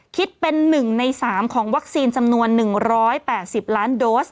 คิดเป็นหนึ่งในสามของวัคซีนสำนวน๑๘๐ล้านโดส